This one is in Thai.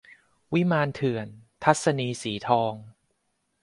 วิมานเถื่อน - ทัศนีย์ สีทอง